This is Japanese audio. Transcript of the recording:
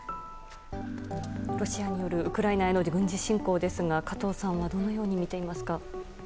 ロシアによるウクライナへの軍事侵攻ですが加藤さんはどのように見ていますか。